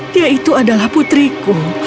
dia itu adalah putriku